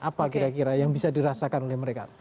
apa kira kira yang bisa dirasakan oleh mereka